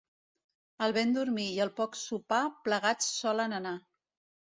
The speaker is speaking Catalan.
El ben dormir i el poc sopar plegats solen anar.